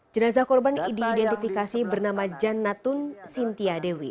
jenazah korban diidentifikasi bernama jan natun sintiadewi